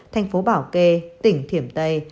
thành phố bảo kê tỉnh thiểm tây